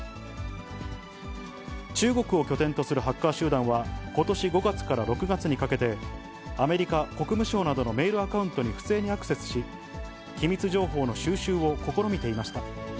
中国を拠点とするハッカー集団は、ことし５月から６月にかけて、アメリカ国務省などのメールアカウントに不正にアクセスし、機密情報の収集を試みていました。